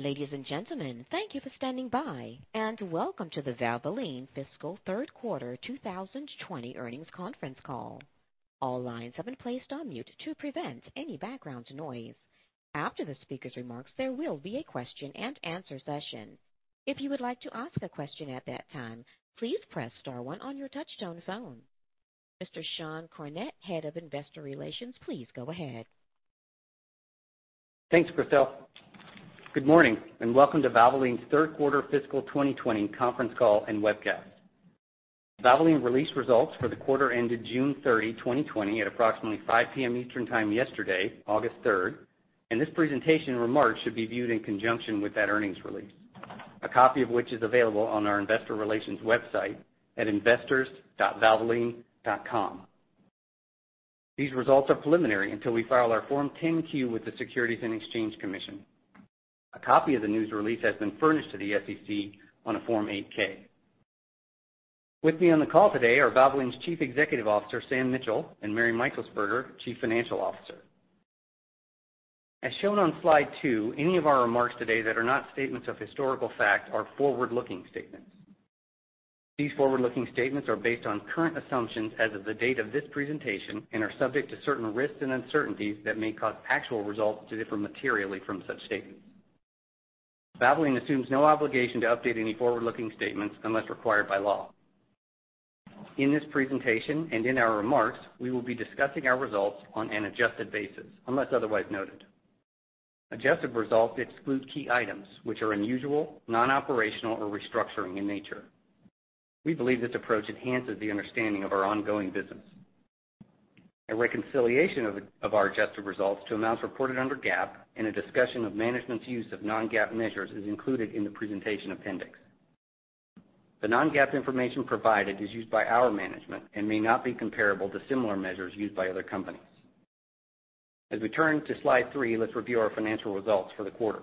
Ladies and gentlemen, thank you for standing by, and welcome to the Valvoline fiscal third quarter 2020 earnings conference call. All lines have been placed on mute to prevent any background noise. After the speaker's remarks, there will be a question and answer session. If you would like to ask a question at that time, please press star one on your touch-tone phone. Mr. Sean Cornett, Head of Investor Relations, please go ahead. Thanks, Christelle. Good morning, and welcome to Valvoline's third quarter fiscal 2020 conference call and webcast. Valvoline released results for the quarter ended June 30, 2020, at approximately 5:00 P.M. Eastern time yesterday, August third. This presentation remarks should be viewed in conjunction with that earnings release, a copy of which is available on our investor relations website at investors.valvoline.com. These results are preliminary until we file our Form 10-Q with the Securities and Exchange Commission. A copy of the news release has been furnished to the SEC on a Form 8-K. With me on the call today are Valvoline's Chief Executive Officer, Sam Mitchell, and Mary Meixelsperger, Chief Financial Officer. As shown on slide two, any of our remarks today that are not statements of historical fact are forward-looking statements. These forward-looking statements are based on current assumptions as of the date of this presentation and are subject to certain risks and uncertainties that may cause actual results to differ materially from such statements. Valvoline assumes no obligation to update any forward-looking statements unless required by law. In this presentation and in our remarks, we will be discussing our results on an adjusted basis, unless otherwise noted. Adjusted results exclude key items which are unusual, non-operational, or restructuring in nature. We believe this approach enhances the understanding of our ongoing business. A reconciliation of our adjusted results to amounts reported under GAAP and a discussion of management's use of non-GAAP measures is included in the presentation appendix. The non-GAAP information provided is used by our management and may not be comparable to similar measures used by other companies. As we turn to slide three, let's review our financial results for the quarter.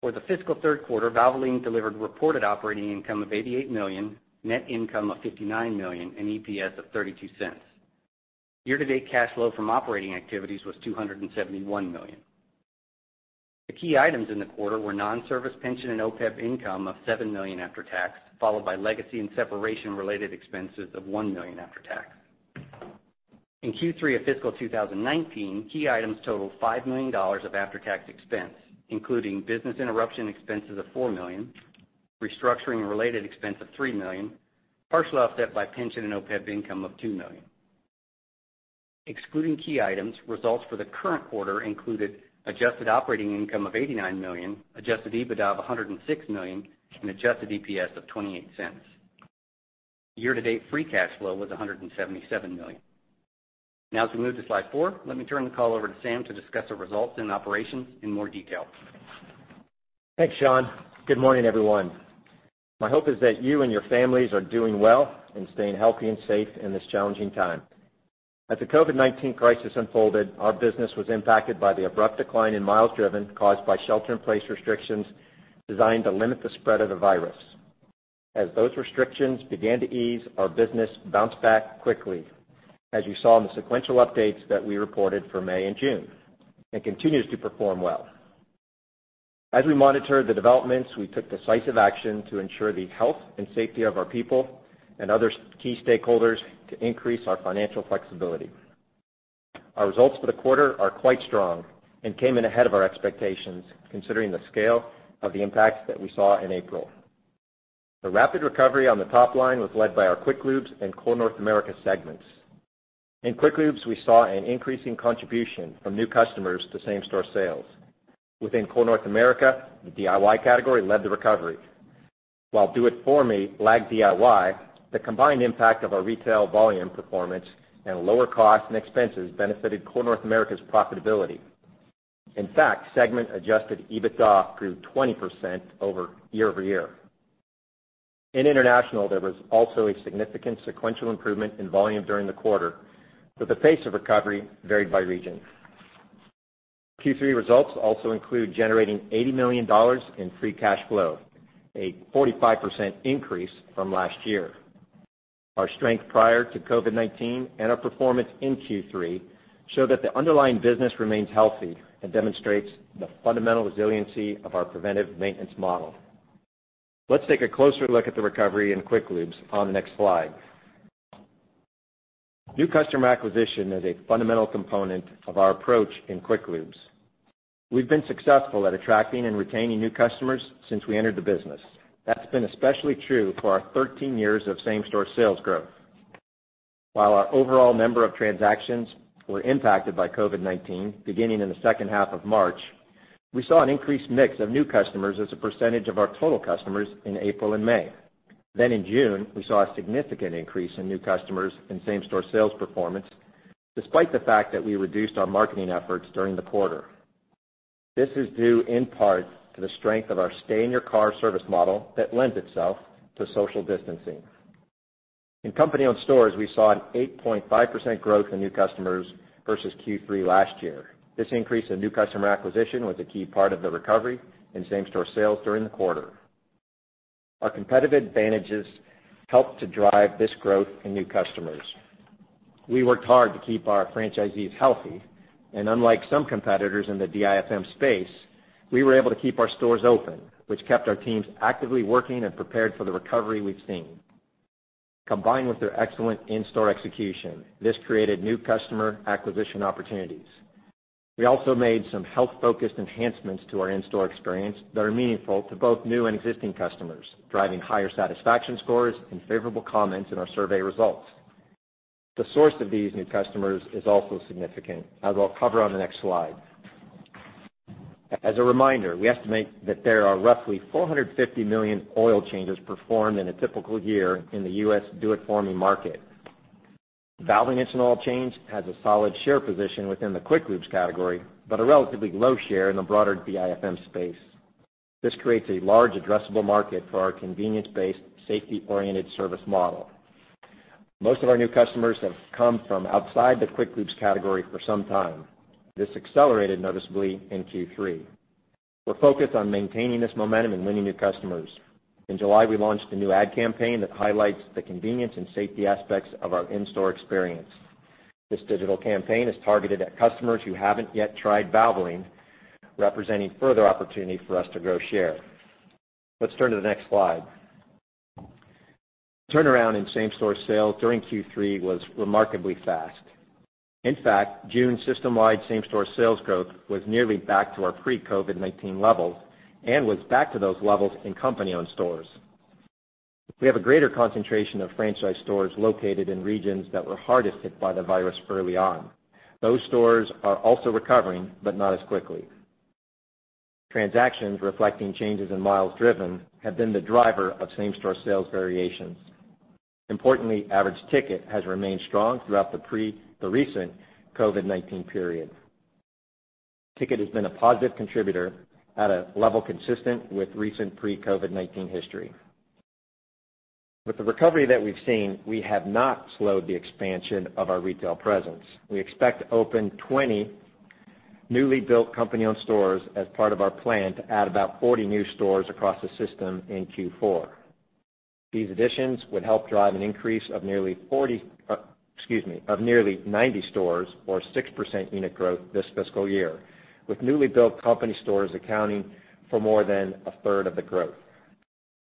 For the fiscal third quarter, Valvoline delivered reported operating income of $88 million, net income of $59 million, and EPS of $0.32. Year-to-date cash flow from operating activities was $271 million. The key items in the quarter were non-service pension and OPEB income of $7 million after tax, followed by legacy and separation related expenses of $1 million after tax. In Q3 of fiscal 2019, key items totaled $5 million of after-tax expense, including business interruption expenses of $4 million, restructuring related expense of $3 million, partially offset by pension and OPEB income of $2 million. Excluding key items, results for the current quarter included adjusted operating income of $89 million, adjusted EBITDA of $106 million, and adjusted EPS of $0.28. Year to date, free cash flow was $177 million. As we move to slide four, let me turn the call over to Sam to discuss the results and operations in more detail. Thanks, Sean. Good morning, everyone. My hope is that you and your families are doing well and staying healthy and safe in this challenging time. As the COVID-19 crisis unfolded, our business was impacted by the abrupt decline in miles driven caused by shelter-in-place restrictions designed to limit the spread of the virus. As those restrictions began to ease, our business bounced back quickly as you saw in the sequential updates that we reported for May and June, and continues to perform well. As we monitored the developments, we took decisive action to ensure the health and safety of our people and other key stakeholders to increase our financial flexibility. Our results for the quarter are quite strong and came in ahead of our expectations, considering the scale of the impacts that we saw in April. The rapid recovery on the top line was led by our Quick Lubes and Core North America segments. In Quick Lubes, we saw an increasing contribution from new customers to same-store sales. Within Core North America, the DIY category led the recovery. While Do It For Me lagged DIY, the combined impact of our retail volume performance and lower costs and expenses benefited Core North America's profitability. In fact, segment adjusted EBITDA grew 20% year-over-year. In international, there was also a significant sequential improvement in volume during the quarter, but the pace of recovery varied by region. Q3 results also include generating $80 million in free cash flow, a 45% increase from last year. Our strength prior to COVID-19 and our performance in Q3 show that the underlying business remains healthy and demonstrates the fundamental resiliency of our preventive maintenance model. Let's take a closer look at the recovery in Quick Lubes on the next slide. New customer acquisition is a fundamental component of our approach in Quick Lubes. We've been successful at attracting and retaining new customers since we entered the business. That's been especially true for our 13 years of same-store sales growth. While our overall number of transactions were impacted by COVID-19 beginning in the second half of March, we saw an increased mix of new customers as a percentage of our total customers in April and May. In June, we saw a significant increase in new customers and same-store sales performance, despite the fact that we reduced our marketing efforts during the quarter. This is due in part to the strength of our stay-in-your-car service model that lends itself to social distancing. In company-owned stores, we saw an 8.5% growth in new customers versus Q3 last year. This increase in new customer acquisition was a key part of the recovery in same-store sales during the quarter. Our competitive advantages helped to drive this growth in new customers. Unlike some competitors in the DIFM space, we were able to keep our stores open, which kept our teams actively working and prepared for the recovery we've seen. Combined with their excellent in-store execution, this created new customer acquisition opportunities. We also made some health-focused enhancements to our in-store experience that are meaningful to both new and existing customers, driving higher satisfaction scores and favorable comments in our survey results. The source of these new customers is also significant, as I'll cover on the next slide. As a reminder, we estimate that there are roughly 450 million oil changes performed in a typical year in the U.S. do-it-for-me market. Valvoline Instant Oil Change has a solid share position within the Quick Lubes category, but a relatively low share in the broader DIFM space. This creates a large addressable market for our convenience-based, safety-oriented service model. Most of our new customers have come from outside the Quick Lubes category for some time. This accelerated noticeably in Q3. We're focused on maintaining this momentum and winning new customers. In July, we launched a new ad campaign that highlights the convenience and safety aspects of our in-store experience. This digital campaign is targeted at customers who haven't yet tried Valvoline, representing further opportunity for us to grow share. Let's turn to the next slide. Turnaround in same-store sales during Q3 was remarkably fast. In fact, June system-wide same-store sales growth was nearly back to our pre-COVID-19 levels and was back to those levels in company-owned stores. We have a greater concentration of franchise stores located in regions that were hardest hit by the virus early on. Those stores are also recovering, but not as quickly. Transactions reflecting changes in miles driven have been the driver of same-store sales variations. Importantly, average ticket has remained strong throughout the recent COVID-19 period. Ticket has been a positive contributor at a level consistent with recent pre-COVID-19 history. With the recovery that we've seen, we have not slowed the expansion of our retail presence. We expect to open 20 newly built company-owned stores as part of our plan to add about 40 new stores across the system in Q4. These additions would help drive an increase of nearly 90 stores or 6% unit growth this fiscal year, with newly built company stores accounting for more than a third of the growth.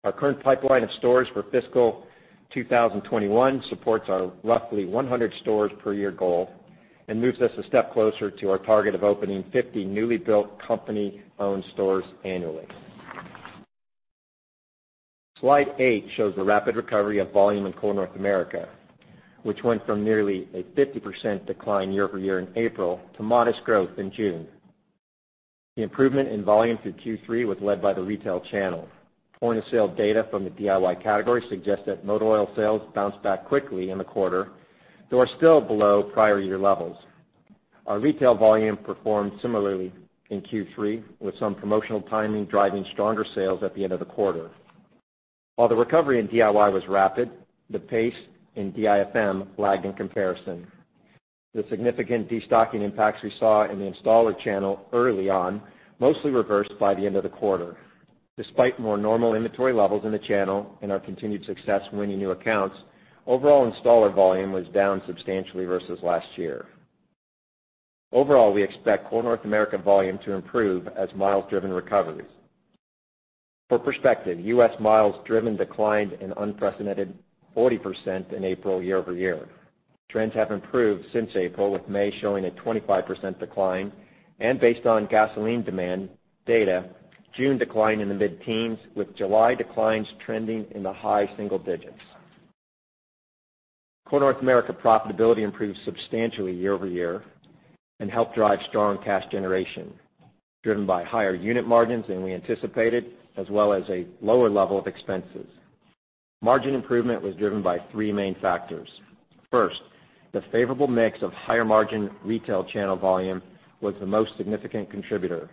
Our current pipeline of stores for fiscal 2021 supports our roughly 100 stores per year goal and moves us a step closer to our target of opening 50 newly built company-owned stores annually. Slide eight shows the rapid recovery of volume in Core North America, which went from nearly a 50% decline year-over-year in April to modest growth in June. The improvement in volume through Q3 was led by the retail channel. Point-of-sale data from the DIY category suggests that motor oil sales bounced back quickly in the quarter, though are still below prior year levels. Our retail volume performed similarly in Q3, with some promotional timing driving stronger sales at the end of the quarter. While the recovery in DIY was rapid, the pace in DIFM lagged in comparison. The significant destocking impacts we saw in the installer channel early on mostly reversed by the end of the quarter. Despite more normal inventory levels in the channel and our continued success winning new accounts, overall installer volume was down substantially versus last year. Overall, we expect Core North America volume to improve as miles driven recovers. For perspective, U.S. miles driven declined an unprecedented 40% in April year-over-year. Trends have improved since April, with May showing a 25% decline, and based on gasoline demand data, June declined in the mid-teens, with July declines trending in the high single digits. Core North America profitability improved substantially year-over-year and helped drive strong cash generation, driven by higher unit margins than we anticipated, as well as a lower level of expenses. Margin improvement was driven by three main factors. First, the favorable mix of higher margin retail channel volume was the most significant contributor.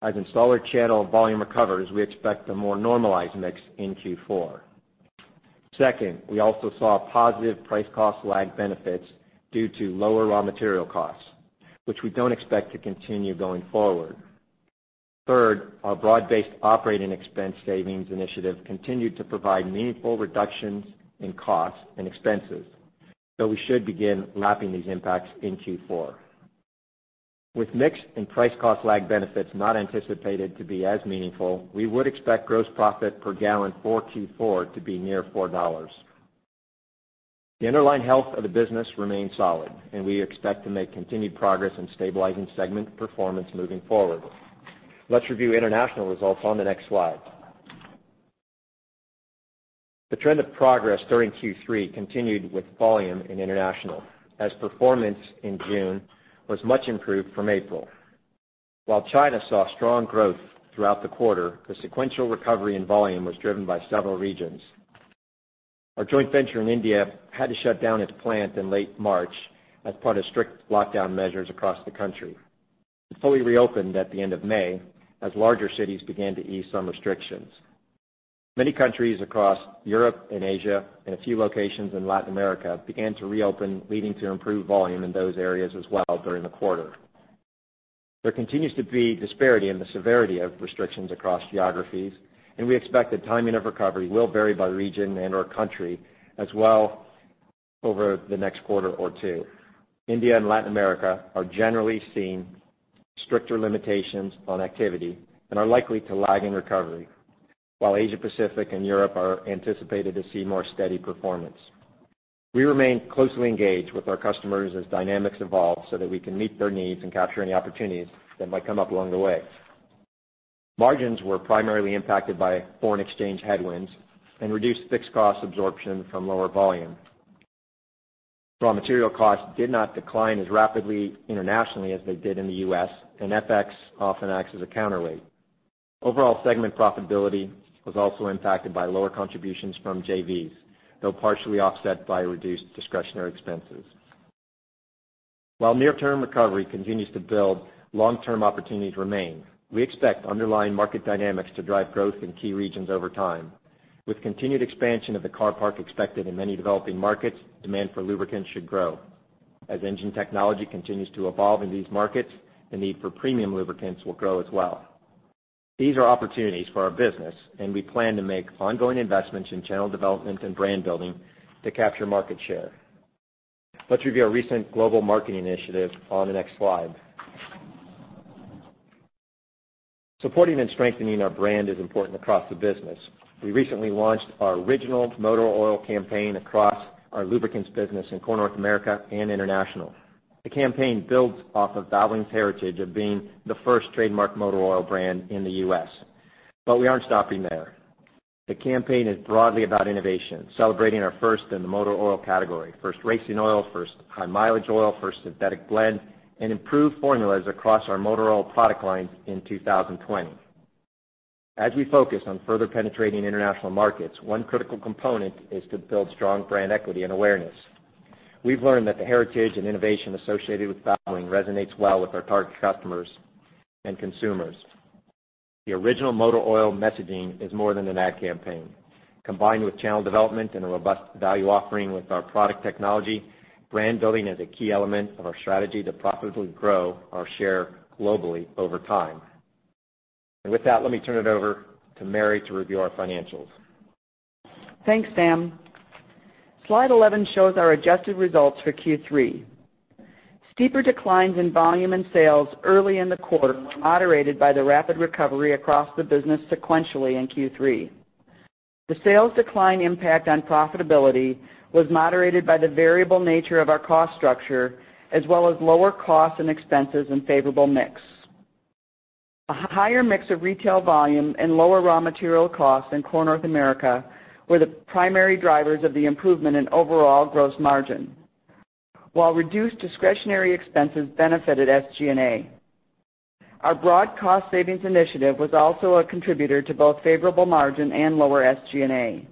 As installer channel volume recovers, we expect a more normalized mix in Q4. Second, we also saw positive price cost lag benefits due to lower raw material costs, which we don't expect to continue going forward. Third, our broad-based operating expense savings initiative continued to provide meaningful reductions in costs and expenses, though we should begin lapping these impacts in Q4. With mix and price cost lag benefits not anticipated to be as meaningful, we would expect gross profit per gallon for Q4 to be near $4. The underlying health of the business remains solid, and we expect to make continued progress in stabilizing segment performance moving forward. Let's review international results on the next slide. The trend of progress during Q3 continued with volume in international, as performance in June was much improved from April. While China saw strong growth throughout the quarter, the sequential recovery in volume was driven by several regions. Our joint venture in India had to shut down its plant in late March as part of strict lockdown measures across the country. It fully reopened at the end of May as larger cities began to ease some restrictions. Many countries across Europe and Asia and a few locations in Latin America began to reopen, leading to improved volume in those areas as well during the quarter. There continues to be disparity in the severity of restrictions across geographies, and we expect the timing of recovery will vary by region and/or country as well over the next quarter or two. India and Latin America are generally seeing stricter limitations on activity and are likely to lag in recovery, while Asia Pacific and Europe are anticipated to see more steady performance. We remain closely engaged with our customers as dynamics evolve so that we can meet their needs and capture any opportunities that might come up along the way. Margins were primarily impacted by foreign exchange headwinds and reduced fixed cost absorption from lower volume. Raw material costs did not decline as rapidly internationally as they did in the U.S., and FX often acts as a counterweight. Overall segment profitability was also impacted by lower contributions from JVs, though partially offset by reduced discretionary expenses. While near-term recovery continues to build, long-term opportunities remain. We expect underlying market dynamics to drive growth in key regions over time. With continued expansion of the car park expected in many developing markets, demand for lubricants should grow. As engine technology continues to evolve in these markets, the need for premium lubricants will grow as well. These are opportunities for our business, and we plan to make ongoing investments in channel development and brand building to capture market share. Let's review our recent global marketing initiative on the next slide. Supporting and strengthening our brand is important across the business. We recently launched our original motor oil campaign across our lubricants business in Core North America and international. The campaign builds off of Valvoline's heritage of being the first trademark motor oil brand in the U.S. We aren't stopping there. The campaign is broadly about innovation, celebrating our first in the motor oil category, first racing oil, first high mileage oil, first synthetic blend, and improved formulas across our motor oil product lines in 2020. As we focus on further penetrating international markets, one critical component is to build strong brand equity and awareness. We've learned that the heritage and innovation associated with Valvoline resonates well with our target customers and consumers. The original motor oil messaging is more than an ad campaign. Combined with channel development and a robust value offering with our product technology, brand building is a key element of our strategy to profitably grow our share globally over time. With that, let me turn it over to Mary Meixelsperger to review our financials. Thanks, Sam. Slide 11 shows our adjusted results for Q3. Steeper declines in volume and sales early in the quarter were moderated by the rapid recovery across the business sequentially in Q3. The sales decline impact on profitability was moderated by the variable nature of our cost structure, as well as lower costs and expenses and favorable mix. A higher mix of retail volume and lower raw material costs in Core North America were the primary drivers of the improvement in overall gross margin, while reduced discretionary expenses benefited SG&A. Our broad cost savings initiative was also a contributor to both favorable margin and lower SG&A.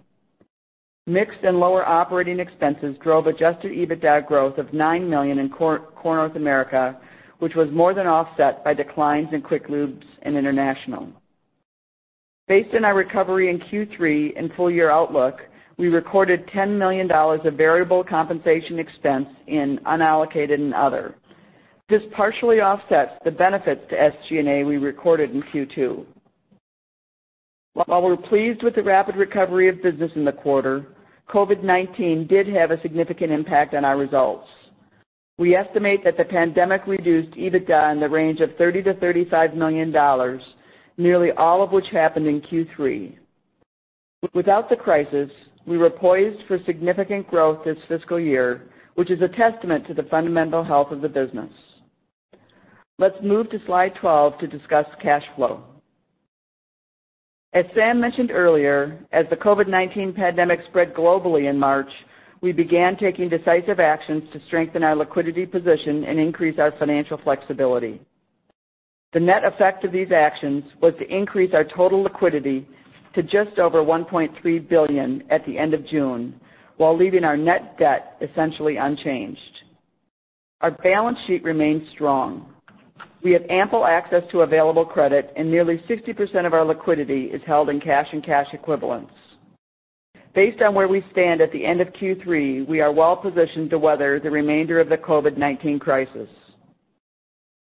Mixed and lower operating expenses drove adjusted EBITDA growth of $9 million in Core North America, which was more than offset by declines in Quick Lubes and international. Based on our recovery in Q3 and full year outlook, we recorded $10 million of variable compensation expense in unallocated and other. This partially offsets the benefits to SG&A we recorded in Q2. While we're pleased with the rapid recovery of business in the quarter, COVID-19 did have a significant impact on our results. We estimate that the pandemic reduced EBITDA in the range of $30 million-$35 million, nearly all of which happened in Q3. Without the crisis, we were poised for significant growth this fiscal year, which is a testament to the fundamental health of the business. Let's move to slide 12 to discuss cash flow. As Sam mentioned earlier, as the COVID-19 pandemic spread globally in March, we began taking decisive actions to strengthen our liquidity position and increase our financial flexibility. The net effect of these actions was to increase our total liquidity to just over $1.3 billion at the end of June, while leaving our net debt essentially unchanged. Our balance sheet remains strong. We have ample access to available credit, and 60% of our liquidity is held in cash and cash equivalents. Based on where we stand at the end of Q3, we are well positioned to weather the remainder of the COVID-19 crisis.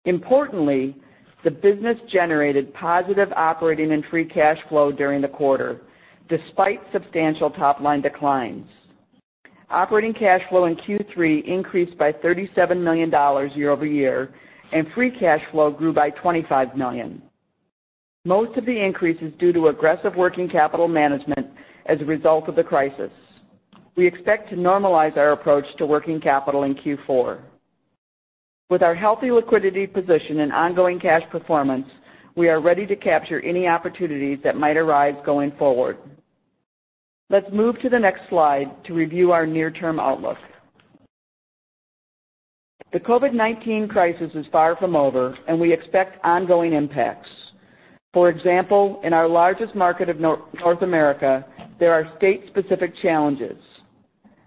Importantly, the business generated positive operating and free cash flow during the quarter, despite substantial top-line declines. Operating cash flow in Q3 increased by $37 million year-over-year, and free cash flow grew by $25 million. Most of the increase is due to aggressive working capital management as a result of the crisis. We expect to normalize our approach to working capital in Q4. With our healthy liquidity position and ongoing cash performance, we are ready to capture any opportunities that might arise going forward. Let's move to the next slide to review our near-term outlook. The COVID-19 crisis is far from over, and we expect ongoing impacts. For example, in our largest market of North America, there are state-specific challenges.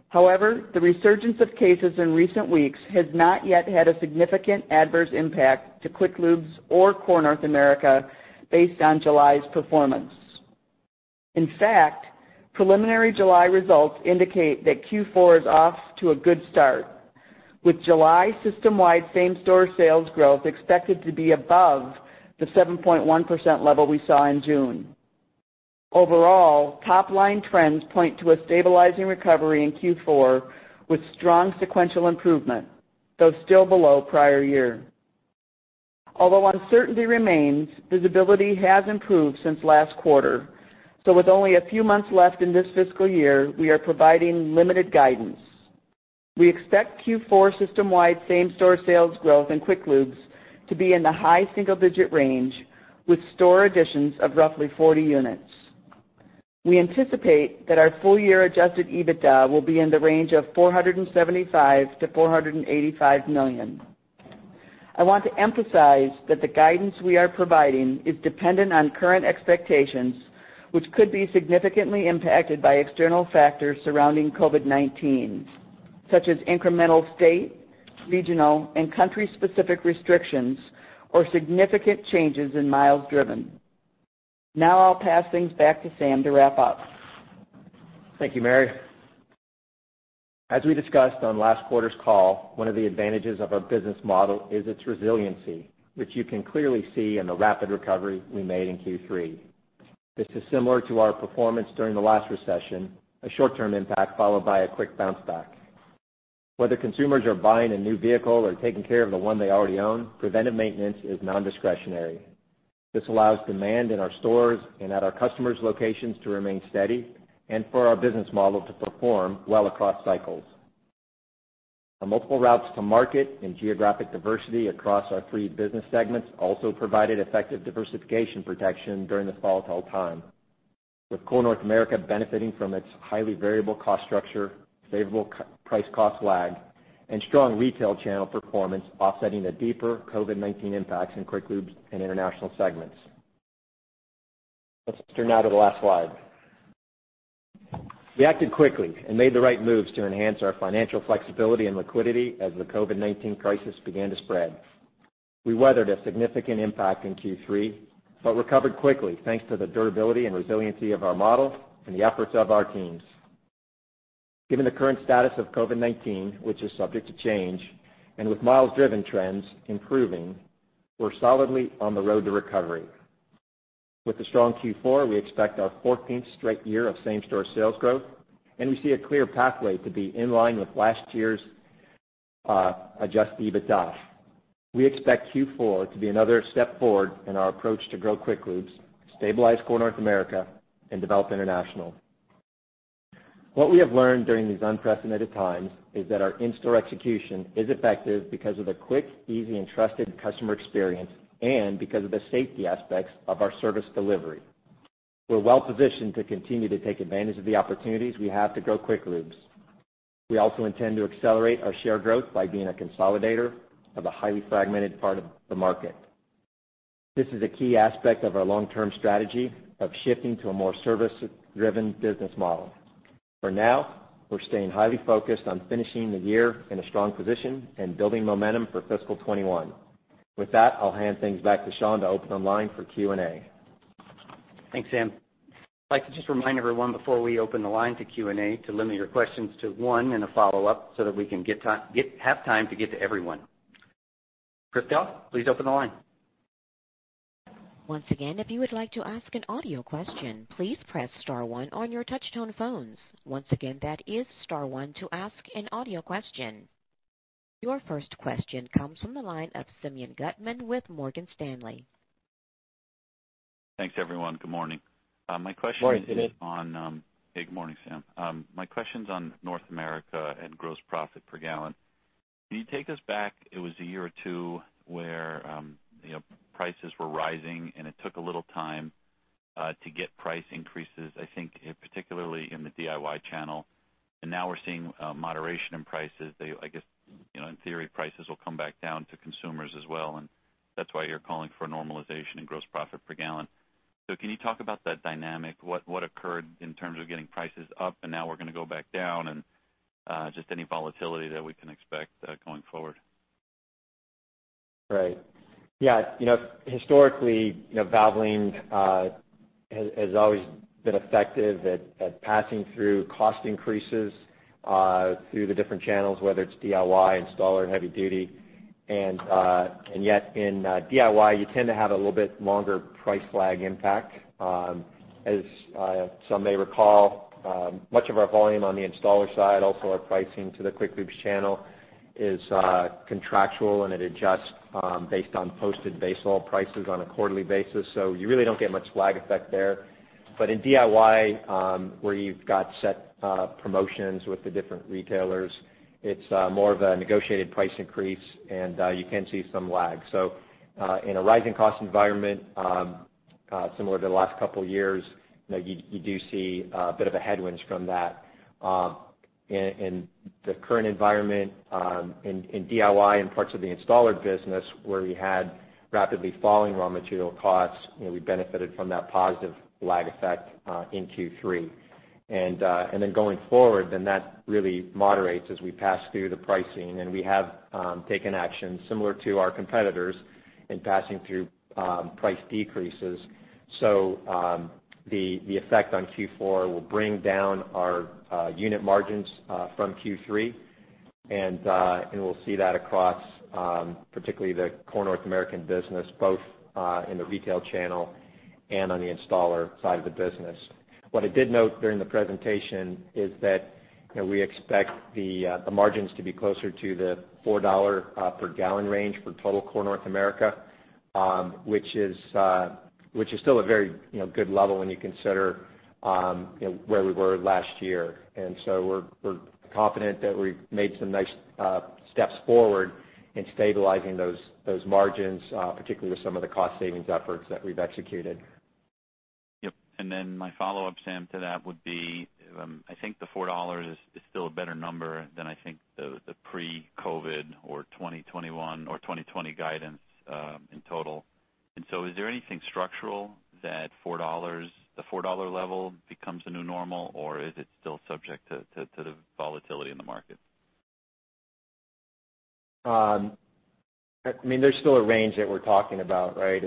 However, the resurgence of cases in recent weeks has not yet had a significant adverse impact to Quick Lubes or Core North America based on July's performance. In fact, preliminary July results indicate that Q4 is off to a good start, with July system-wide same-store sales growth expected to be above the 7.1% level we saw in June. Overall, top-line trends point to a stabilizing recovery in Q4 with strong sequential improvement, though still below prior year. Although uncertainty remains, visibility has improved since last quarter. With only a few months left in this fiscal year, we are providing limited guidance. We expect Q4 system-wide same-store sales growth in Quick Lubes to be in the high single-digit range, with store additions of roughly 40 units. We anticipate that our full-year adjusted EBITDA will be in the range of $475 million-$485 million. I want to emphasize that the guidance we are providing is dependent on current expectations, which could be significantly impacted by external factors surrounding COVID-19, such as incremental state, regional, and country-specific restrictions or significant changes in miles driven. I'll pass things back to Sam to wrap up. Thank you, Mary. As we discussed on last quarter's call, one of the advantages of our business model is its resiliency, which you can clearly see in the rapid recovery we made in Q3. This is similar to our performance during the last recession, a short-term impact followed by a quick bounce-back. Whether consumers are buying a new vehicle or taking care of the one they already own, preventive maintenance is non-discretionary. This allows demand in our stores and at our customers' locations to remain steady and for our business model to perform well across cycles. The multiple routes to market and geographic diversity across our three business segments also provided effective diversification protection during this volatile time, with Core North America benefiting from its highly variable cost structure, favorable price cost lag, and strong retail channel performance offsetting the deeper COVID-19 impacts in Quick Lubes and International segments. Let's turn now to the last slide. We acted quickly and made the right moves to enhance our financial flexibility and liquidity as the COVID-19 crisis began to spread. We weathered a significant impact in Q3, recovered quickly thanks to the durability and resiliency of our model and the efforts of our teams. Given the current status of COVID-19, which is subject to change, and with miles driven trends improving, we're solidly on the road to recovery. With a strong Q4, we expect our 14th straight year of same-store sales growth, and we see a clear pathway to be in line with last year's adjusted EBITDA. We expect Q4 to be another step forward in our approach to grow Quick Lubes, stabilize Core North America, and develop International. What we have learned during these unprecedented times is that our in-store execution is effective because of the quick, easy, and trusted customer experience, and because of the safety aspects of our service delivery. We're well-positioned to continue to take advantage of the opportunities we have to grow Quick Lubes. We also intend to accelerate our share growth by being a consolidator of a highly fragmented part of the market. This is a key aspect of our long-term strategy of shifting to a more service-driven business model. For now, we're staying highly focused on finishing the year in a strong position and building momentum for fiscal 2021. With that, I'll hand things back to Sean to open the line for Q&A. Thanks, Sam. I'd like to just remind everyone before we open the line to Q&A to limit your questions to one and a follow-up so that we can have time to get to everyone. Christelle, please open the line. Once again, if you would like to ask an audio question, please press star one on your touchtone phones. Once again, that is star one to ask an audio question. Your first question comes from the line of Simeon Gutman with Morgan Stanley. Thanks, everyone. Good morning. Morning, Simeon. Hey, good morning, Sam. My question's on North America and gross profit per gallon. Can you take us back, it was a year or two where prices were rising, and it took a little time to get price increases, I think particularly in the DIY channel. Now we're seeing moderation in prices. I guess in theory, prices will come back down to consumers as well, and that's why you're calling for a normalization in gross profit per gallon. Can you talk about that dynamic? What occurred in terms of getting prices up and now we're going to go back down, and just any volatility that we can expect going forward? Right. Yeah. Historically, Valvoline has always been effective at passing through cost increases through the different channels, whether it's DIY, installer, or heavy duty. Yet in DIY, you tend to have a little bit longer price lag impact. As some may recall, much of our volume on the installer side, also our pricing to the Quick Lubes channel, is contractual, and it adjusts based on posted base oil prices on a quarterly basis, you really don't get much lag effect there. In DIY, where you've got set promotions with the different retailers, it's more of a negotiated price increase, and you can see some lag. In a rising cost environment, similar to the last couple of years, you do see a bit of a headwind from that. In the current environment, in DIY and parts of the installer business where we had rapidly falling raw material costs, we benefited from that positive lag effect in Q3. Going forward, that really moderates as we pass through the pricing, and we have taken action similar to our competitors in passing through price decreases. The effect on Q4 will bring down our unit margins from Q3, and we'll see that across particularly the Core North America business, both in the retail channel and on the installer side of the business. What I did note during the presentation is that we expect the margins to be closer to the $4 per gallon range for total Core North America, which is still a very good level when you consider where we were last year. We're confident that we've made some nice steps forward in stabilizing those margins, particularly with some of the cost savings efforts that we've executed. Yep. My follow-up, Sam, to that would be, I think the $4 is still a better number than I think the pre-COVID or 2021 or 2020 guidance in total. Is there anything structural that the $4 level becomes a new normal, or is it still subject to the volatility in the market? There's still a range that we're talking about, right?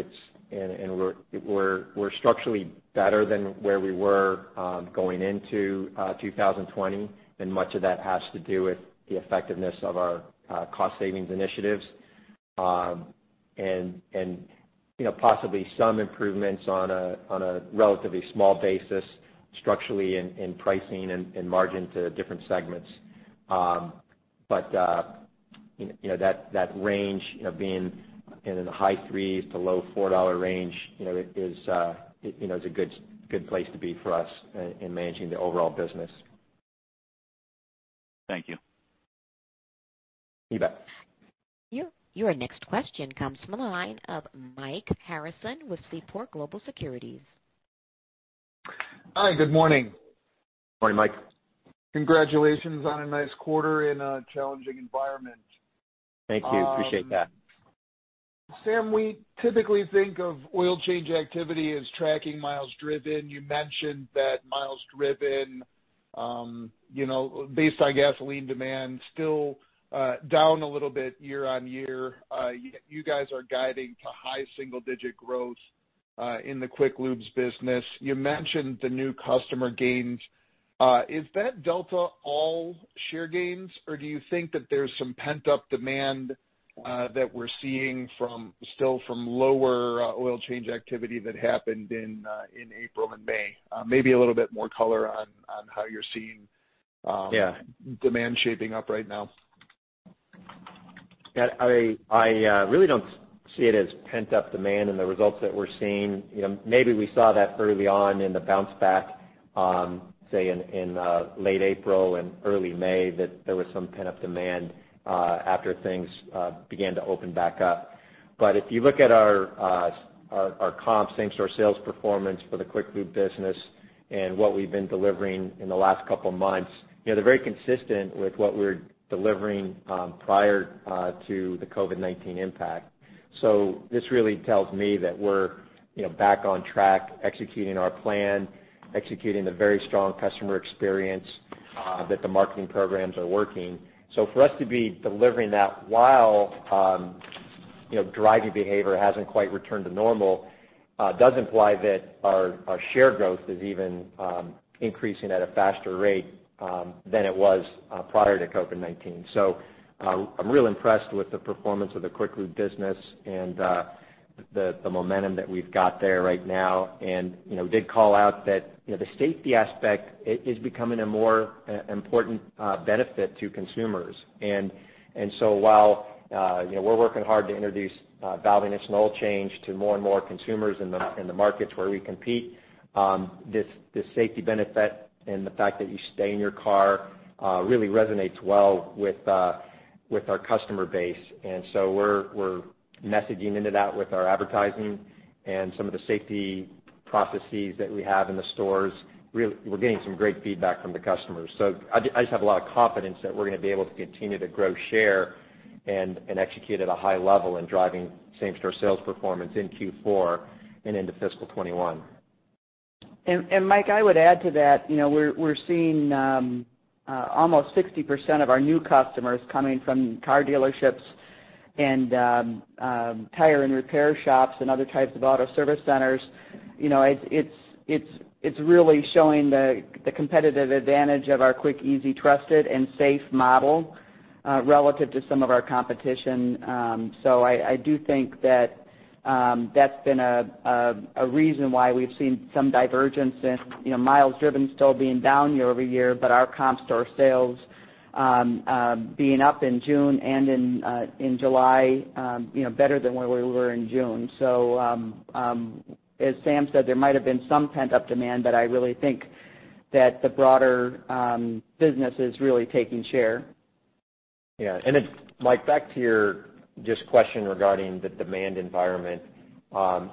We're structurally better than where we were going into 2020, and much of that has to do with the effectiveness of our cost savings initiatives. Possibly some improvements on a relatively small basis, structurally in pricing and margin to different segments. That range being in the high threes to low $4 range is a good place to be for us in managing the overall business. Thank you. You bet. Your next question comes from the line of Michael Harrison with Seaport Global Securities. Hi, good morning. Morning, Mike. Congratulations on a nice quarter in a challenging environment. Thank you. Appreciate that. Sam, we typically think of oil change activity as tracking miles driven. You mentioned that miles driven based on gasoline demand, still down a little bit year-over-year. You guys are guiding to high single-digit growth in the Quick Lubes business. You mentioned the new customer gains. Is that delta all share gains, or do you think that there's some pent-up demand that we're seeing still from lower oil change activity that happened in April and May? Maybe a little bit more color on how you're seeing. Yeah demand shaping up right now. I really don't see it as pent-up demand in the results that we're seeing. Maybe we saw that early on in the bounce back, say, in late April and early May, that there was some pent-up demand after things began to open back up. If you look at our comp same-store sales performance for the Quick Lubes business and what we've been delivering in the last couple of months, they're very consistent with what we were delivering prior to the COVID-19 impact. This really tells me that we're back on track executing our plan, executing the very strong customer experience, that the marketing programs are working. For us to be delivering that while driving behavior hasn't quite returned to normal, does imply that our share growth is even increasing at a faster rate than it was prior to COVID-19. I'm real impressed with the performance of the Quick Lubes business and the momentum that we've got there right now. Did call out that the safety aspect is becoming a more important benefit to consumers. While we're working hard to introduce Valvoline Instant Oil Change to more and more consumers in the markets where we compete, this safety benefit and the fact that you stay in your car really resonates well with our customer base. We're messaging into that with our advertising and some of the safety processes that we have in the stores. We're getting some great feedback from the customers. I just have a lot of confidence that we're going to be able to continue to grow share and execute at a high level in driving same-store sales performance in Q4 and into fiscal 2021. Mike, I would add to that. We're seeing almost 60% of our new customers coming from car dealerships and tire and repair shops and other types of auto service centers. It's really showing the competitive advantage of our quick, easy, trusted, and safe model relative to some of our competition. I do think that's been a reason why we've seen some divergence in miles driven still being down year-over-year, but our comp store sales being up in June and in July better than where we were in June. As Sam said, there might have been some pent-up demand, but I really think that the broader business is really taking share. Mike, back to your just question regarding the demand environment.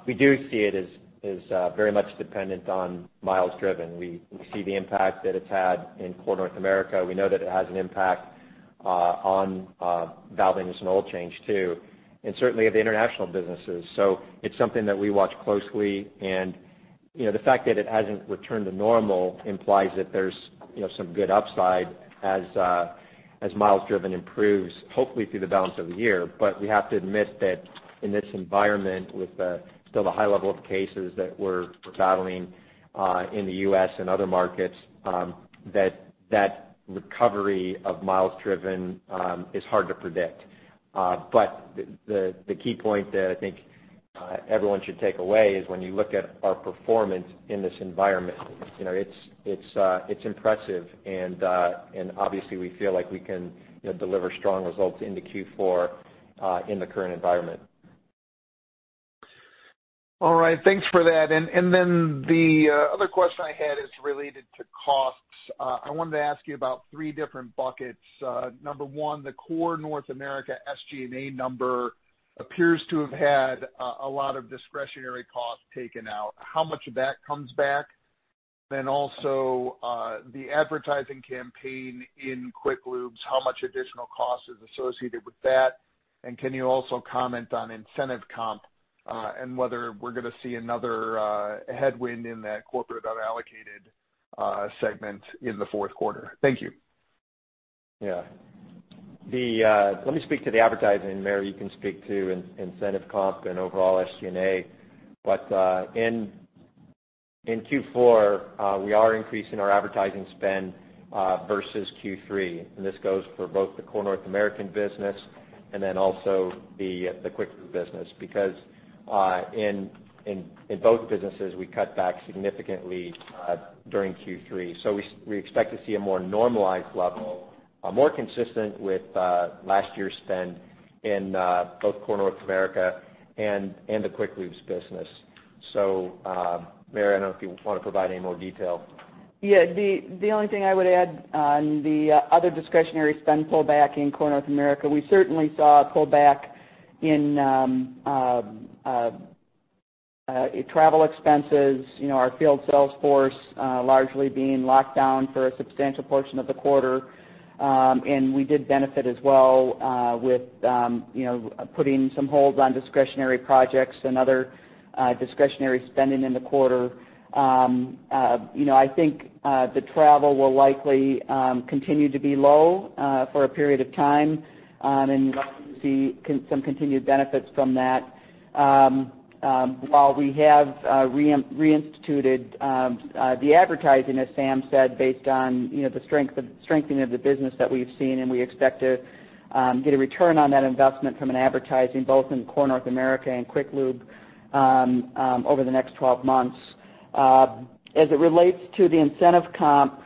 We do see it as very much dependent on miles driven. We see the impact that it's had in Core North America. We know that it has an impact on Valvoline as an oil change too, and certainly at the international businesses. It's something that we watch closely, and the fact that it hasn't returned to normal implies that there's some good upside as miles driven improves, hopefully through the balance of the year. We have to admit that in this environment, with still the high level of cases that we're battling in the U.S. and other markets, that recovery of miles driven is hard to predict. The key point that I think everyone should take away is when you look at our performance in this environment, it's impressive, and obviously we feel like we can deliver strong results into Q4 in the current environment. All right. Thanks for that. The other question I had is related to costs. I wanted to ask you about three different buckets. Number 1, the Core North America SG&A number appears to have had a lot of discretionary costs taken out. How much of that comes back? Also, the advertising campaign in Quick Lubes, how much additional cost is associated with that? Can you also comment on incentive comp, and whether we're going to see another headwind in that corporate unallocated segment in the fourth quarter? Thank you. Yeah. Let me speak to the advertising, Mary, you can speak to incentive comp and overall SG&A. In Q4, we are increasing our advertising spend versus Q3, this goes for both the Core North American business and the Quick Lube business, because in both businesses, we cut back significantly during Q3. We expect to see a more normalized level, more consistent with last year's spend in both Core North America and the Quick Lubes business. Mary, I don't know if you want to provide any more detail. The only thing I would add on the other discretionary spend pullback in Core North America, we certainly saw a pullback in travel expenses, our field sales force largely being locked down for a substantial portion of the quarter. We did benefit as well with putting some holds on discretionary projects and other discretionary spending in the quarter. I think the travel will likely continue to be low for a period of time, and you'd like to see some continued benefits from that. While we have reinstituted the advertising, as Sam said, based on the strengthening of the business that we've seen, and we expect to get a return on that investment from an advertising both in Core North America and Quick Lubes over the next 12 months. As it relates to the incentive comp,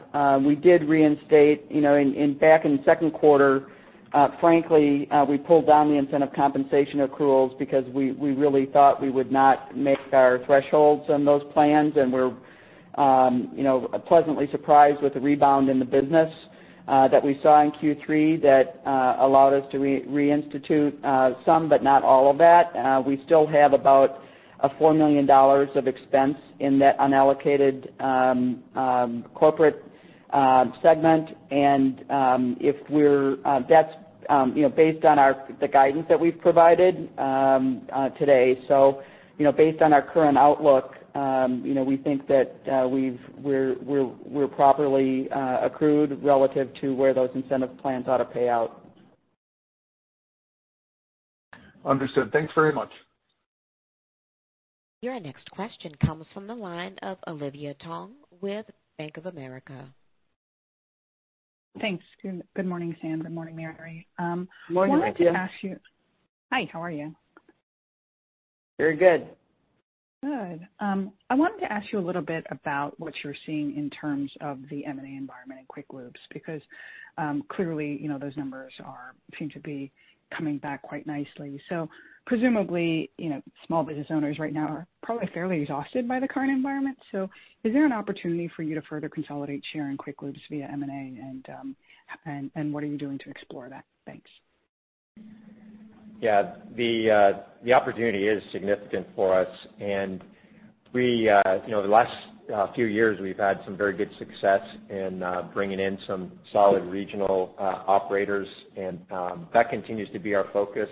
we did reinstate back in the second quarter, frankly, we pulled down the incentive compensation accruals because we really thought we would not make our thresholds on those plans. We're pleasantly surprised with the rebound in the business that we saw in Q3 that allowed us to reinstitute some, but not all of that. We still have about a $4 million of expense in that unallocated corporate segment. That's based on the guidance that we've provided today. Based on our current outlook, we think that we're properly accrued relative to where those incentive plans ought to pay out. Understood. Thanks very much. Your next question comes from the line of Olivia Tong with Bank of America. Thanks. Good morning, Sam. Good morning, Mary. Good morning. Hi, how are you? Very good. Good. I wanted to ask you a little bit about what you're seeing in terms of the M&A environment in Quick Lubes, because clearly, those numbers seem to be coming back quite nicely. Presumably, small business owners right now are probably fairly exhausted by the current environment. Is there an opportunity for you to further consolidate share in Quick Lubes via M&A, and what are you doing to explore that? Thanks. Yeah. The opportunity is significant for us, and the last few years, we've had some very good success in bringing in some solid regional operators, and that continues to be our focus.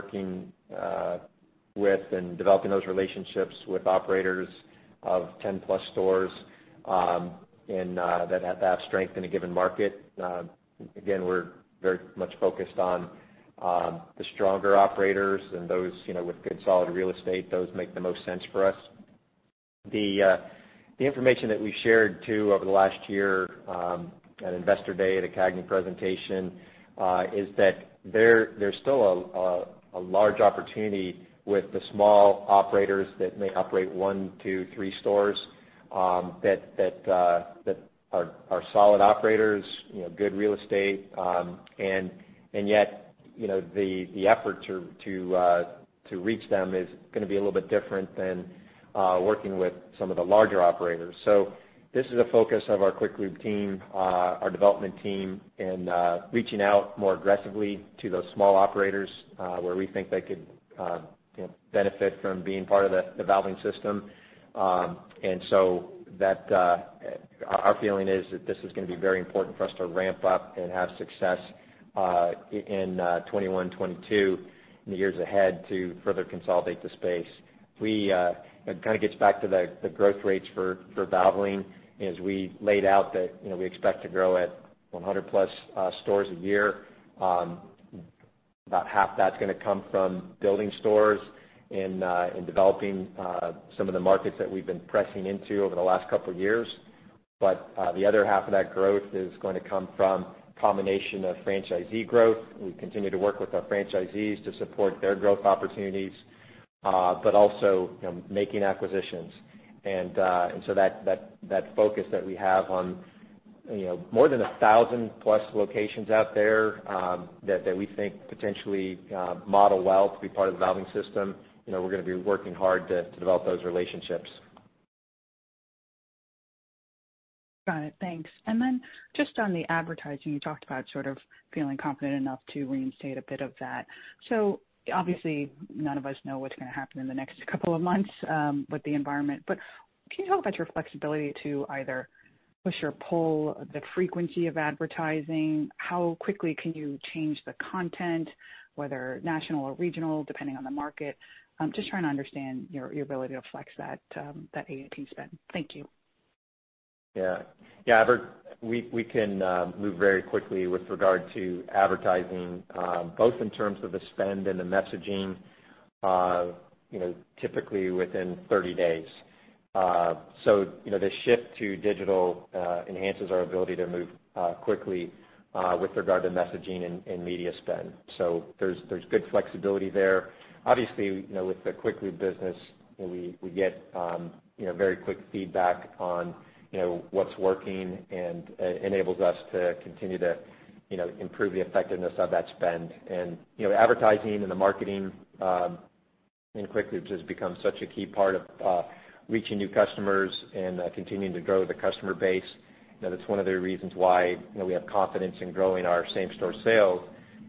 Working with and developing those relationships with operators of 10+ stores that have strength in a given market. Again, we're very much focused on the stronger operators and those with good solid real estate. Those make the most sense for us. The information that we shared too over the last year at Investor Day at a CAGNY presentation, is that there's still a large opportunity with the small operators that may operate one to three stores, that are solid operators, good real estate, and yet, the effort to reach them is going to be a little bit different than working with some of the larger operators. This is a focus of our Quick Lube team, our development team, and reaching out more aggressively to those small operators, where we think they could benefit from being part of the Valvoline system. Our feeling is that this is going to be very important for us to ramp up and have success in 2021, 2022, in the years ahead to further consolidate the space. It kind of gets back to the growth rates for Valvoline, as we laid out that we expect to grow at 100-plus stores a year. About half that's going to come from building stores and developing some of the markets that we've been pressing into over the last couple of years. The other half of that growth is going to come from a combination of franchisee growth. We continue to work with our franchisees to support their growth opportunities, but also making acquisitions. That focus that we have on more than 1,000-plus locations out there, that we think potentially model well to be part of the Valvoline system. We're going to be working hard to develop those relationships. Got it. Thanks. Just on the advertising, you talked about sort of feeling confident enough to reinstate a bit of that. Obviously, none of us know what's going to happen in the next couple of months with the environment. Can you talk about your flexibility to either push or pull the frequency of advertising? How quickly can you change the content, whether national or regional, depending on the market? I'm just trying to understand your ability to flex that A&P spend. Thank you. Yeah. We can move very quickly with regard to advertising both in terms of the spend and the messaging, typically within 30 days. The shift to digital enhances our ability to move quickly with regard to messaging and media spend. There's good flexibility there. Obviously, with the Quick Lube business, we get very quick feedback on what's working, and it enables us to continue to improve the effectiveness of that spend. Advertising and the marketing in Quick Lubes has become such a key part of reaching new customers and continuing to grow the customer base. That's one of the reasons why we have confidence in growing our same-store sales,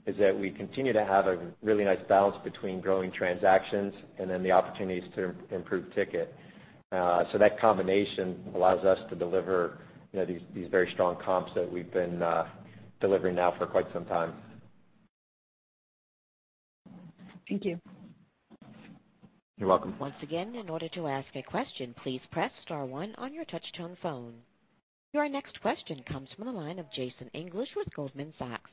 is that we continue to have a really nice balance between growing transactions and then the opportunities to improve ticket. That combination allows us to deliver these very strong comps that we've been delivering now for quite some time. Thank you. You're welcome. Once again, in order to ask a question, please press star one on your touch-tone phone. Your next question comes from the line of Jason English with Goldman Sachs.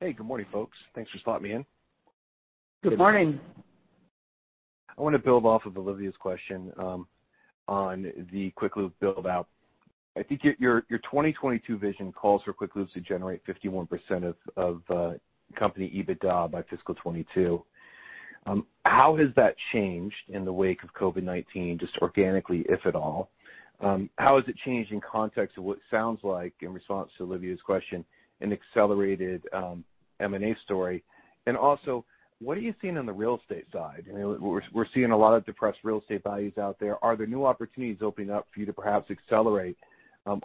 Hey, good morning, folks. Thanks for slotting me in. Good morning. I want to build off of Olivia's question on the Quick Lube build-out. I think your 2022 vision calls for Quick Lubes to generate 51% of company EBITDA by fiscal 2022. How has that changed in the wake of COVID-19, just organically, if at all? How has it changed in context of what sounds like, in response to Olivia's question, an accelerated M&A story? Also, what are you seeing on the real estate side? We're seeing a lot of depressed real estate values out there. Are there new opportunities opening up for you to perhaps accelerate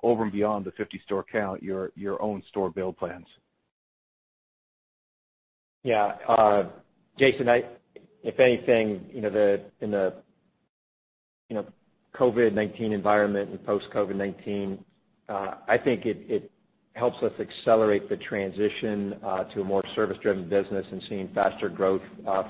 over and beyond the 50-store count, your own store build plans? Yeah. Jason, if anything, in the COVID-19 environment and post-COVID-19, I think it helps us accelerate the transition to a more service-driven business and seeing faster growth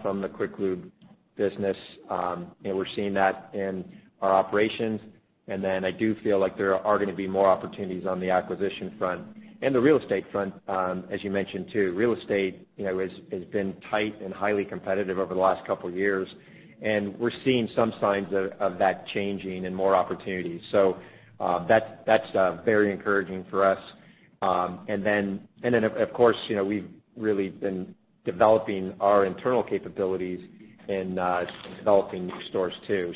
from the Quick Lube business. We're seeing that in our operations. I do feel like there are going to be more opportunities on the acquisition front and the real estate front, as you mentioned, too. Real estate has been tight and highly competitive over the last couple of years, and we're seeing some signs of that changing and more opportunities. That's very encouraging for us. Of course, we've really been developing our internal capabilities in developing new stores, too.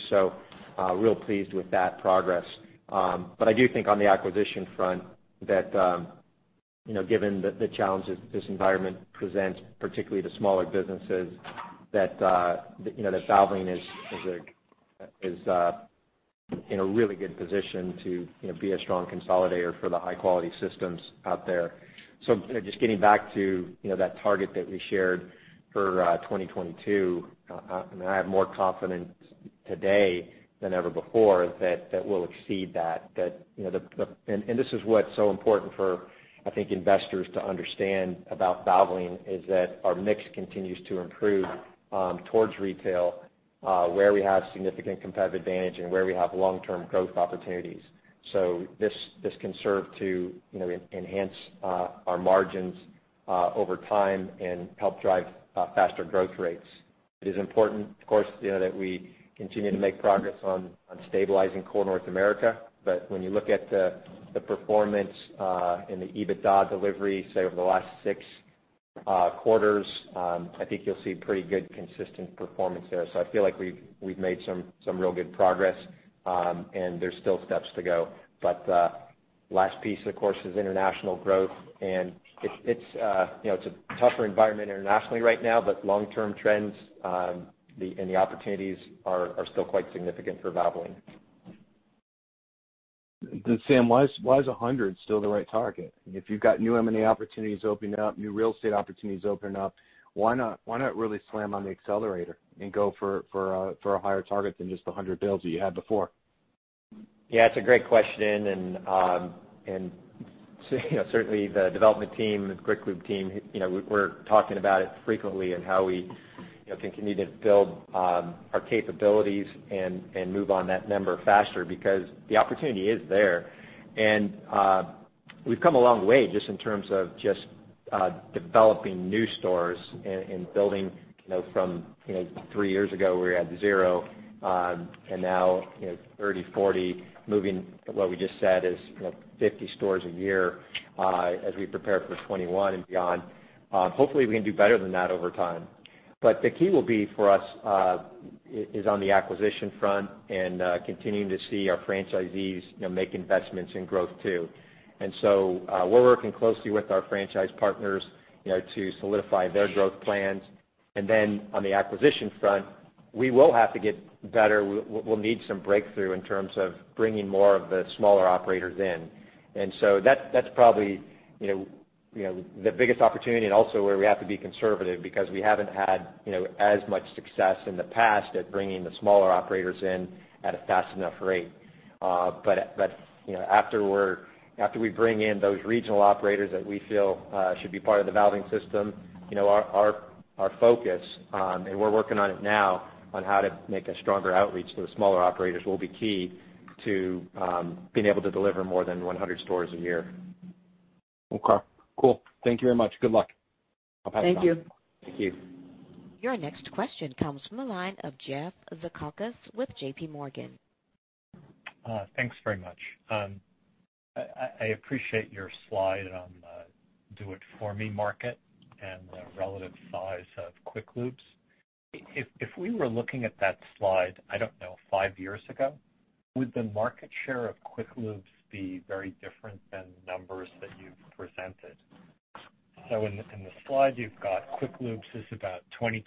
Real pleased with that progress. I do think on the acquisition front that given the challenges that this environment presents, particularly to smaller businesses, that Valvoline is in a really good position to be a strong consolidator for the high-quality systems out there. Just getting back to that target that we shared for 2022, I have more confidence today than ever before that we'll exceed that. This is what's so important for, I think, investors to understand about Valvoline, is that our mix continues to improve towards retail, where we have significant competitive advantage and where we have long-term growth opportunities. This can serve to enhance our margins over time and help drive faster growth rates. It is important, of course, that we continue to make progress on stabilizing Core North America. When you look at the performance in the EBITDA delivery, say, over the last six quarters, I think you'll see pretty good consistent performance there. I feel like we've made some real good progress, and there's still steps to go. Last piece, of course, is international growth. It's a tougher environment internationally right now, but long-term trends, and the opportunities are still quite significant for Valvoline. Sam, why is 100 still the right target? If you've got new M&A opportunities opening up, new real estate opportunities opening up, why not really slam on the accelerator and go for a higher target than just the 100 stores that you had before? Yeah, it's a great question, certainly the development team, the Quick Lube team, we're talking about it frequently and how we can continue to build our capabilities and move on that number faster because the opportunity is there. We've come a long way just in terms of just developing new stores and building from three years ago, we were at zero, and now 30, 40, moving what we just said is 50 stores a year as we prepare for 2021 and beyond. Hopefully, we can do better than that over time. The key will be for us is on the acquisition front and continuing to see our franchisees make investments in growth too. We're working closely with our franchise partners to solidify their growth plans. Then on the acquisition front, we will have to get better. We'll need some breakthrough in terms of bringing more of the smaller operators in. That's probably the biggest opportunity and also where we have to be conservative because we haven't had as much success in the past at bringing the smaller operators in at a fast enough rate. After we bring in those regional operators that we feel should be part of the Valvoline system, our focus, and we're working on it now on how to make a stronger outreach to the smaller operators will be key to being able to deliver more than 100 stores a year. Okay, cool. Thank you very much. Good luck. I'll pass it on. Thank you. Thank you. Your next question comes from the line of Jeff Zekauskas with JPMorgan. Thanks very much. I appreciate your slide on the DIFM market and the relative size of Quick Lubes. If we were looking at that slide, I don't know, five years ago, would the market share of Quick Lubes be very different than numbers that you've presented? In the slide you've got Quick Lubes is about 22%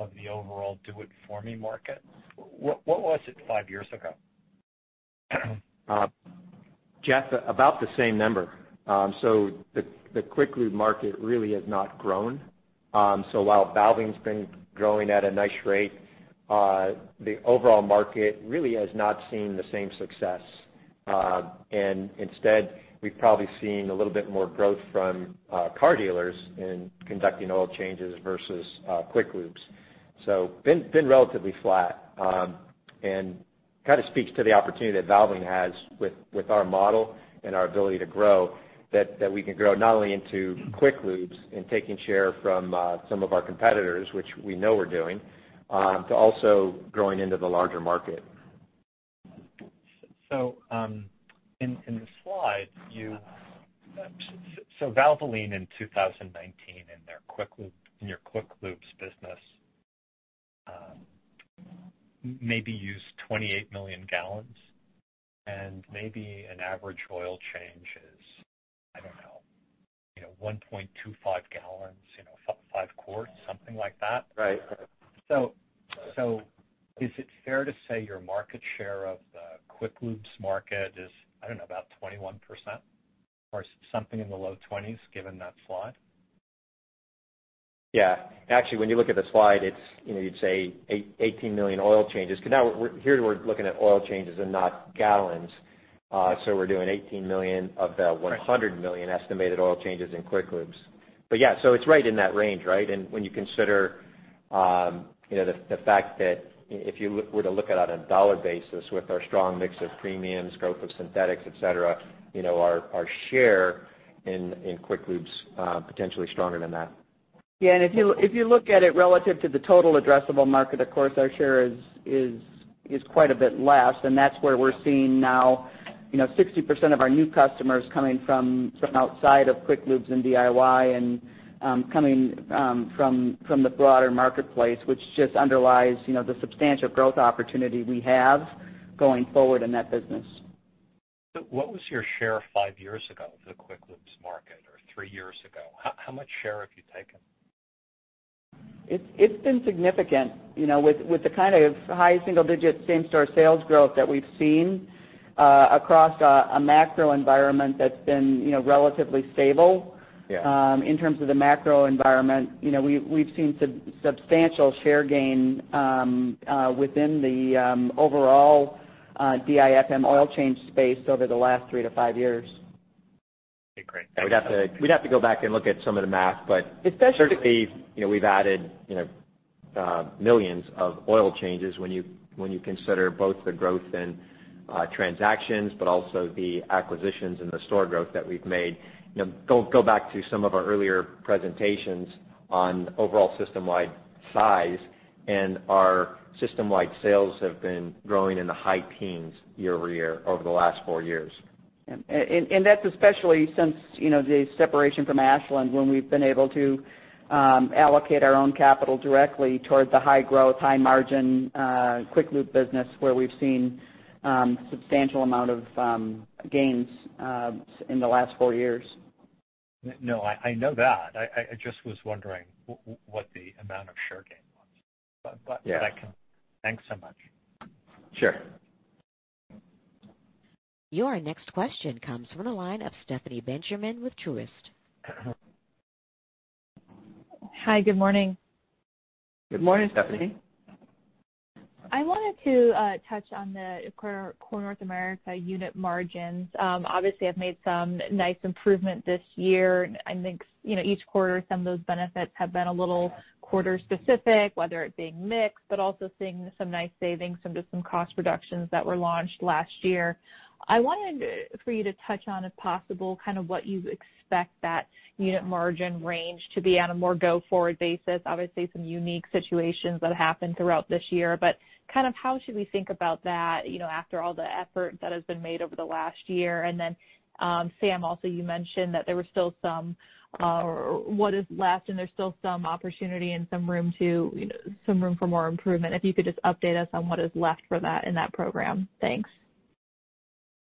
of the overall DIFM market. What was it five years ago? Jeff, about the same number. The Quick Lube market really has not grown. While Valvoline's been growing at a nice rate, the overall market really has not seen the same success. Instead, we've probably seen a little bit more growth from car dealers in conducting oil changes versus Quick Lubes. Been relatively flat, and speaks to the opportunity that Valvoline has with our model and our ability to grow, that we can grow not only into Quick Lubes and taking share from some of our competitors, which we know we're doing, to also growing into the larger market. In the slide, Valvoline in 2019 in your Quick Lubes business, maybe used 28 million gallons, and maybe an average oil change is, I don't know, 1.25 gallons, five quarts, something like that? Right. Is it fair to say your market share of the Quick Lubes market is, I don't know, about 21% or something in the low 20s given that slide? Yeah. Actually, when you look at the slide, it's 18 million oil changes, because now here we're looking at oil changes and not gallons. We're doing 18 million of the 100 million estimated oil changes in Quick Lubes. Yeah, it's right in that range, right? When you consider the fact that if you were to look at it on a dollar basis with our strong mix of premium scope of synthetics, et cetera, our share in Quick Lubes, potentially stronger than that. If you look at it relative to the total addressable market, of course, our share is quite a bit less, that's where we're seeing now 60% of our new customers coming from outside of Quick Lubes and DIY and coming from the broader marketplace, which just underlies the substantial growth opportunity we have going forward in that business. What was your share five years ago of the Quick Lubes market, or three years ago? How much share have you taken? It's been significant. With the kind of high single digit same store sales growth that we've seen across a macro environment that's been relatively stable. Yeah in terms of the macro environment, we've seen substantial share gain within the overall DIFM oil change space over the last three to five years. Okay, great. We'd have to go back and look at some of the math. Especially- Certainly, we've added millions of oil changes when you consider both the growth in transactions, but also the acquisitions and the store growth that we've made. Go back to some of our earlier presentations on overall system-wide size, our system-wide sales have been growing in the high teens year-over-year over the last four years. That's especially since the separation from Ashland when we've been able to allocate our own capital directly towards the high growth, high margin Quick Lube business where we've seen substantial amount of gains in the last four years. No, I know that. I just was wondering what the amount of share gain was. Yeah. I can. Thanks so much. Sure. Your next question comes from the line of Stephanie Benjamin with Truist. Hi. Good morning. Good morning, Stephanie. I wanted to touch on the Core North America unit margins. Obviously, have made some nice improvement this year. I think, each quarter some of those benefits have been a little quarter specific, whether it being mix, but also seeing some nice savings from just some cost reductions that were launched last year. I wanted for you to touch on, if possible, kind of what you expect that unit margin range to be on a more go-forward basis. Obviously, some unique situations that happened throughout this year, but kind of how should we think about that after all the effort that has been made over the last year? Then, Sam, also, you mentioned that there was still some, or what is left, and there's still some opportunity and some room for more improvement. If you could just update us on what is left for that in that program. Thanks.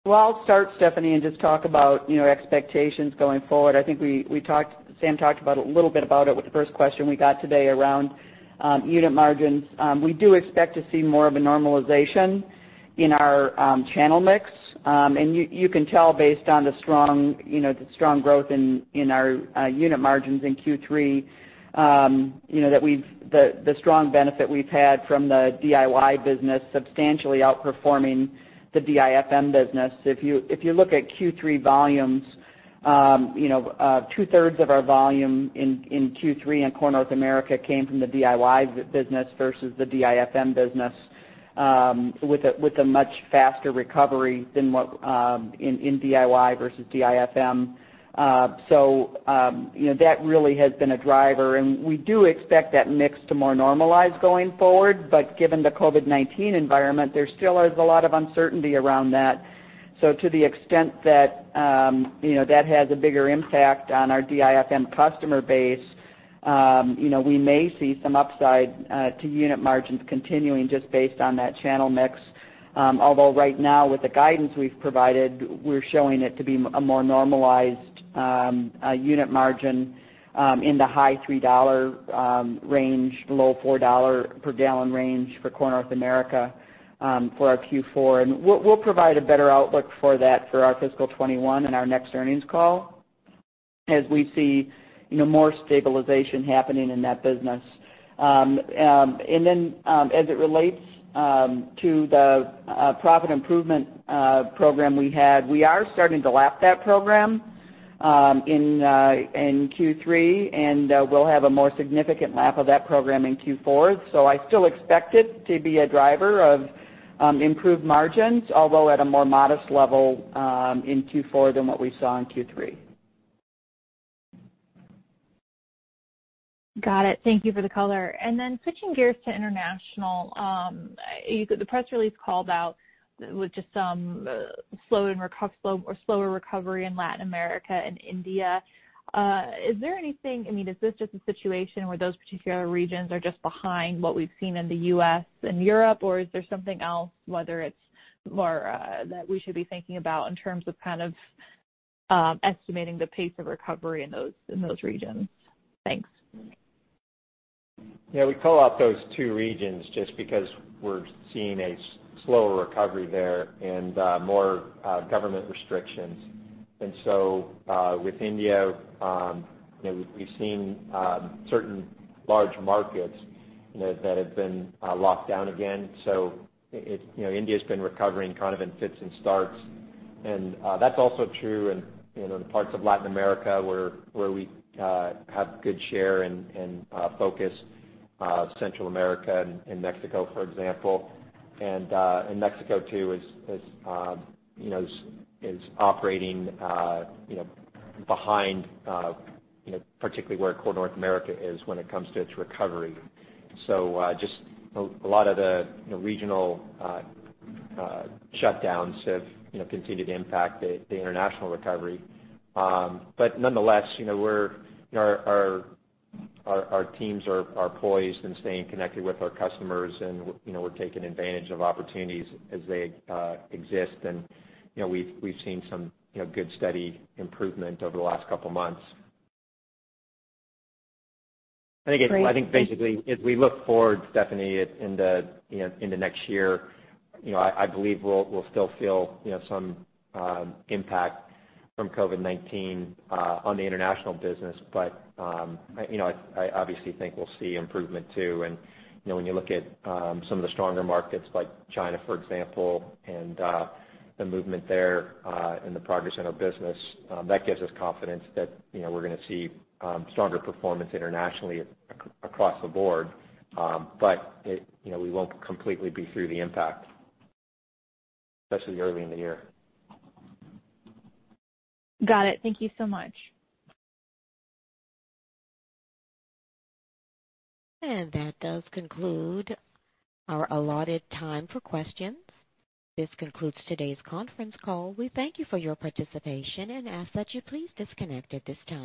Well, I'll start, Stephanie, just talk about expectations going forward. I think Sam talked a little bit about it with the first question we got today around unit margins. We do expect to see more of a normalization in our channel mix. You can tell based on the strong growth in our unit margins in Q3 that the strong benefit we've had from the DIY business substantially outperforming the DIFM business. If you look at Q3 volumes, two-thirds of our volume in Q3 in Core North America came from the DIY business versus the DIFM business, with a much faster recovery in DIY versus DIFM. That really has been a driver, and we do expect that mix to more normalize going forward. Given the COVID-19 environment, there still is a lot of uncertainty around that. To the extent that has a bigger impact on our DIFM customer base, we may see some upside to unit margins continuing just based on that channel mix. Although right now, with the guidance we've provided, we're showing it to be a more normalized unit margin in the high $3 range, low $4 per gallon range for Core North America for our Q4. We'll provide a better outlook for that for our fiscal 2021 in our next earnings call, as we see more stabilization happening in that business. As it relates to the profit improvement program we had, we are starting to lap that program in Q3, and we'll have a more significant lap of that program in Q4. I still expect it to be a driver of improved margins, although at a more modest level in Q4 than what we saw in Q3. Got it. Thank you for the color. Switching gears to international. The press release called out with just some slower recovery in Latin America and India. Is this just a situation where those particular regions are just behind what we've seen in the U.S. and Europe, or is there something else, whether it's more that we should be thinking about in terms of kind of estimating the pace of recovery in those regions? Thanks. We call out those two regions just because we're seeing a slower recovery there and more government restrictions. With India, we've seen certain large markets that have been locked down again. India's been recovering kind of in fits and starts, and that's also true in parts of Latin America where we have good share and focus. Central America and Mexico, for example. Mexico too is operating behind particularly where Core North America is when it comes to its recovery. Just a lot of the regional shutdowns have continued to impact the international recovery. Nonetheless, our teams are poised and staying connected with our customers, and we're taking advantage of opportunities as they exist. We've seen some good, steady improvement over the last couple of months. Again, I think basically, as we look forward, Stephanie, in the next year, I believe we'll still feel some impact from COVID-19 on the international business. I obviously think we'll see improvement, too. When you look at some of the stronger markets like China, for example, and the movement there, and the progress in our business, that gives us confidence that we're going to see stronger performance internationally across the board. We won't completely be through the impact, especially early in the year. Got it. Thank you so much. That does conclude our allotted time for questions. This concludes today's conference call. We thank you for your participation and ask that you please disconnect at this time.